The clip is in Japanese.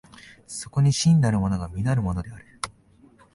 そこに真なるものが実なるものである。